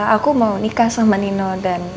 aku mau nikah sama nino dan